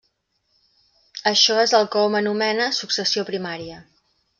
Això és el que hom anomena successió primària.